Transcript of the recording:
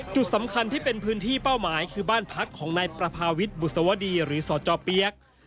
จุดสำคัญที่เป็นพื้นที่เป้าหมายคือบ้านพักของนายประพาวิทย์บุษวดีหรือสจเปี๊ยก